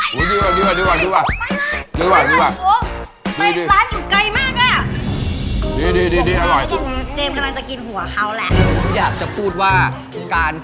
เห็นมาก็ได้รถ